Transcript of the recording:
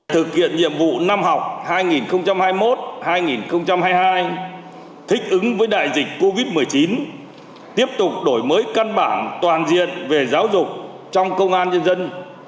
thực hiện nhiệm vụ năm học hai nghìn hai mươi một hai nghìn hai mươi hai thích ứng với đại dịch covid một mươi chín tiếp tục đổi mới căn bản toàn diện về giáo dục trong công an nhân dân